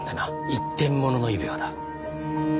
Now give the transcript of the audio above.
一点物の指輪だ。